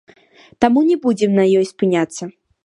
Таму не будзем на ёй спыняцца.